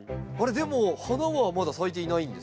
でも花はまだ咲いていないんですね。